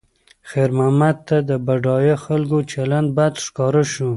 خیر محمد ته د بډایه خلکو چلند بد ښکاره شو.